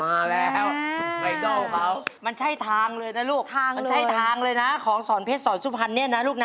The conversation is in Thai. มาแล้วสุดไอดอลเขามันใช่ทางเลยนะลูกทางมันใช่ทางเลยนะของสอนเพชรสอนสุพรรณเนี่ยนะลูกนะ